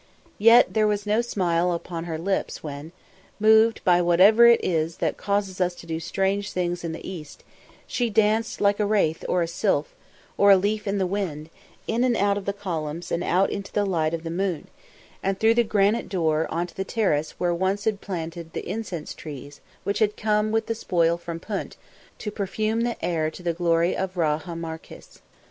Yet there was no smile on her lips as, moved by whatever it is that causes us to do strange things in the East, she danced like a wraith or a sylph, or a leaf in the wind, in and out of the columns and out into the light of the moon, and through the granite door onto the terrace where once had been planted the incense trees which had come with the spoil from Punt to perfume the air to the glory of Ra Hamarkhis.